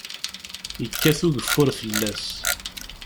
Yekkat ugeffur fell-as.